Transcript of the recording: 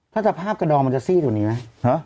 ถ้าสภาพกระดองมันจะซีดกว่านี้ไหม